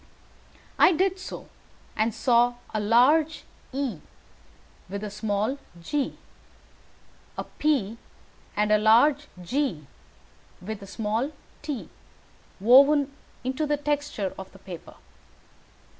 I did so, and saw a large E with a small g, a P and a large G with a small t woven into the texture of the paper.